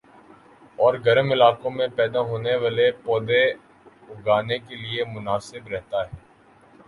اور گرم علاقوں میں پیدا ہونے والے پودے اگانے کیلئے مناسب رہتا ہے